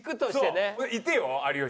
いてよ有吉。